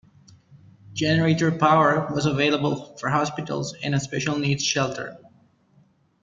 Generator power was available for hospitals and a special needs shelter.